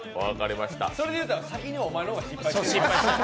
それで言うたらお前の方が先に失敗してる。